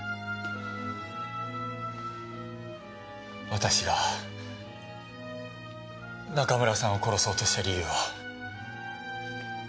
私が中村さんを殺そうとした理由は？